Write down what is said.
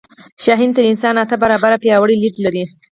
شاهین تر انسان اته برابره پیاوړی لید لري